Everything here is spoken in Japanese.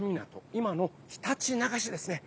今のひたちなか市ですね。